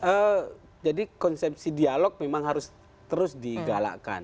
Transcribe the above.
eee jadi konsepsi dialog memang harus terus digalakkan